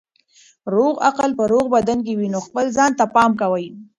روغ عقل په روغ بدن کې وي نو خپل ځان ته پام کوئ.